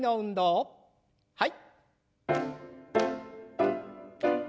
はい。